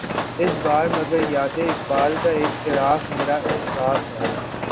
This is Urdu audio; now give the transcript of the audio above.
اس بار مگر یاد اقبال کا ایک چراغ، میرا احساس ہے